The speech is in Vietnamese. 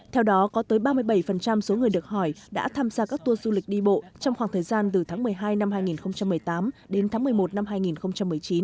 theo đó có tới ba mươi bảy số người được hỏi đã tham gia các tour du lịch đi bộ trong khoảng thời gian từ tháng một mươi hai năm hai nghìn một mươi tám đến tháng một mươi một năm hai nghìn một mươi chín